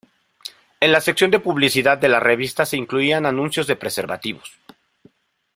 En la sección de publicidad de la revista se incluían anuncios de preservativos.